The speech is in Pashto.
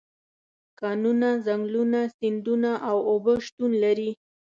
کانونه، ځنګلونه، سیندونه او اوبه شتون لري.